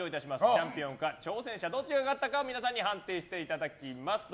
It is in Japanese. チャンピオンか挑戦者かどっちが勝ったか皆さんに判定していただきます。